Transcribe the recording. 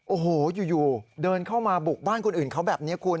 โอ้โหอยู่เดินเข้ามาบุกบ้านคนอื่นเขาแบบนี้คุณ